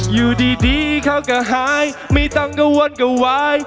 อยู่ดีเขาก็หายไม่ต้องกระวนกระวาย